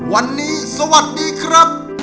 วันนี้สวัสดีครับ